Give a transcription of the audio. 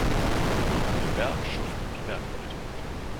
Unten im Berg schuften die Bergleute.